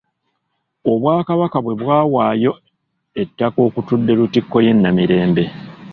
Obwakabaka bwe bwawaayo ettaka okutudde Lutikko y'e Namirembe.